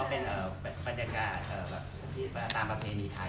เป็นบรรยากาศตามประเพณีไทย